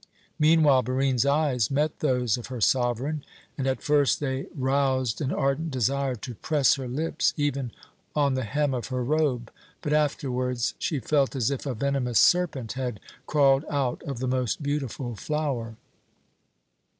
Meanwhile Barine's eyes met those of her sovereign, and at first they roused an ardent desire to press her lips even on the hem of her robe, but afterwards she felt as if a venomous serpent had crawled out of the most beautiful flower.